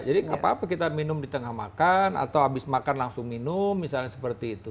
jadi nggak apa apa kita minum di tengah makan atau habis makan langsung minum misalnya seperti itu